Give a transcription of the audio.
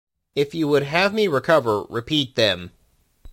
If you would have me recover, repeat them.